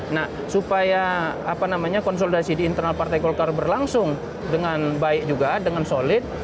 nah supaya konsolidasi di internal partai golkar berlangsung dengan baik juga dengan solid